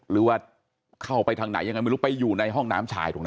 หรือว่าเข้าไปทางไหนยังไงไม่รู้ไปอยู่ในห้องน้ำชายตรงนั้น